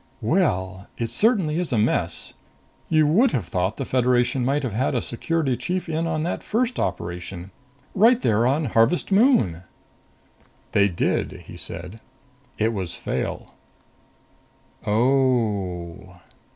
"Well, it certainly is a mess. You would have thought the Federation might have had a Security Chief in on that first operation. Right there on Harvest Moon!" "They did," he said. "It was Fayle." "Oh!